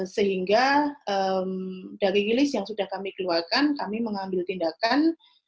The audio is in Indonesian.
sehingga dari rilis yang sudah kami keluarkan kami mengambil tindakan